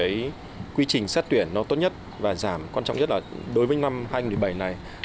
cái quy trình xét tuyển nó tốt nhất và giảm quan trọng nhất là đối với năm hai nghìn một mươi bảy này